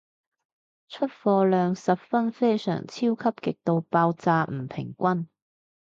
出貨量十分非常超級極度爆炸唔平均